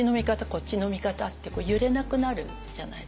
こっちの味方って揺れなくなるじゃないですか。